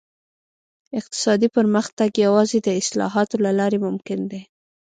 اقتصادي پرمختګ یوازې د اصلاحاتو له لارې ممکن دی.